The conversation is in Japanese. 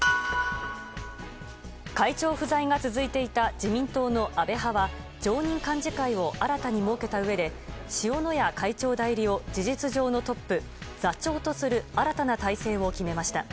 会長不在が続いていた自民党・安倍派は常任幹事会を新たに設けたうえで塩谷会長代理を事実上のトップ座長とする新たな体制を決めました。